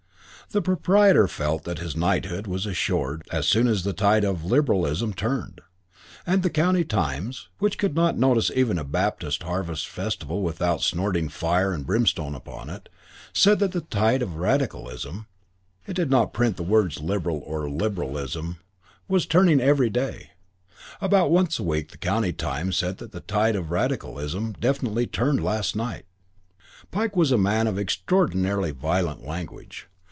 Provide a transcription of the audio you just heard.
The proprietor felt that his knighthood was assured as soon as the tide of liberalism turned; and the County Times, which could not notice even a Baptist harvest festival without snorting fire and brimstone upon it, said that the tide of radicalism it did not print the words Liberal or Liberalism was turning every day. About once a week the County Times said that the tide of radicalism "definitely turned last night." Pike was a man of extraordinarily violent language.